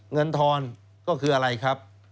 ทอนก็คืออะไรครับ